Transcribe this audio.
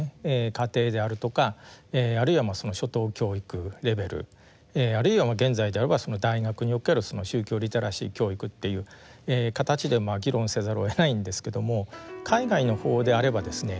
家庭であるとかあるいは初等教育レベルあるいは現在であれば大学における宗教リテラシー教育っていう形で議論せざるをえないんですけども海外の方であればですね